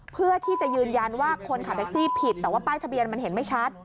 เพื่อที่จะยืนยันว่าคนขับแท็กซี่ผิดแต่ว่าป้ายทะเบียนมันเห็นไม่ชัด